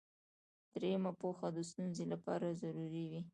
دریمه پوهه د ستونزې لپاره ضروري وي.